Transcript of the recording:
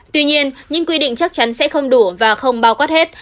tuy nhiên những quy định chắc chắn sẽ không đủ và không bao quát hết